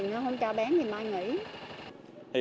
nó không cho bán thì mai nghỉ